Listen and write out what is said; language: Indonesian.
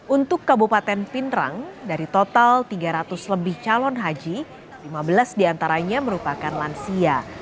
untuk kabupaten pindrang dari total tiga ratus lebih calon haji lima belas diantaranya merupakan lansia